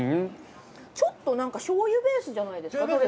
ちょっとなんか醤油ベースじゃないですか？